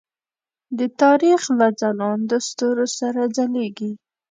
د تاریخ له ځلاندو ستورو سره ځلیږي.